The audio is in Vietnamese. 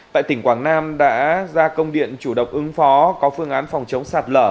tại tỉnh quảng nam đã ra công điện chủ động ứng phó có phương án phòng chống sạt lở